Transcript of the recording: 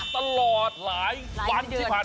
พรุ่งนี้๕สิงหาคมจะเป็นของใคร